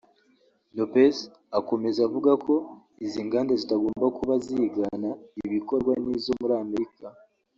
Lopes akomeza avuga ko izi nganda zitagomba kuba zigana ibikorwa n’izo muri Amerika